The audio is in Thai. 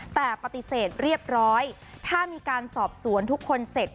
แต่ปฏิเสธเรียบร้อยถ้ามีการสอบสวนทุกคนเสร็จ